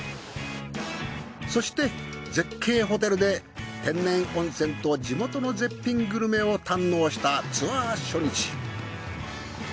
そして絶景ホテルで天然温泉と地元の絶品グルメを堪能したツアー初日。